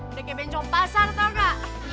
udah ke bencong pasar tau gak